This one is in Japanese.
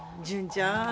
純ちゃん